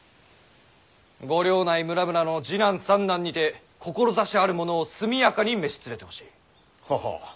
ご領内村々の次男三男にて志あるものを速やかに召し連れてほしい。ははっ。